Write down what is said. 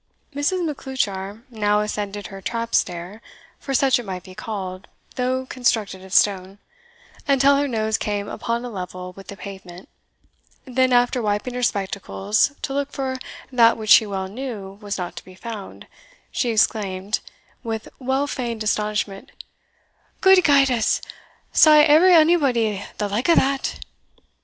Mrs. Macleuchar now ascended her trap stair (for such it might be called, though constructed of stone), until her nose came upon a level with the pavement; then, after wiping her spectacles to look for that which she well knew was not to be found, she exclaimed, with well feigned astonishment, "Gude guide us saw ever onybody the like o' that?"